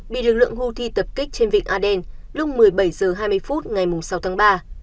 bị lực lượng houthi tập kích trên vịnh aden lúc một mươi bảy h hai mươi phút ngày sáu tháng ba